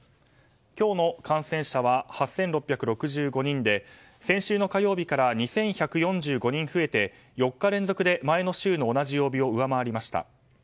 今日の感染者は８６６５人で先週の火曜日から２１４５人増えて４日連続で前の週の同じ曜日を上回りました。